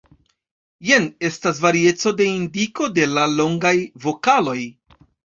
Jen estas varieco de indiko de la longaj vokaloj.